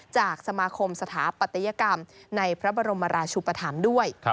จากสมาคมสถาปัตยกรรมในพระบรมราชุปธรรมด้วย